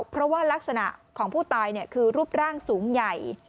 เพราะว่ารักษณะของผู้ตายคือรูปร่างสูงใหญ่